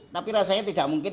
tapi rasanya tidak mungkin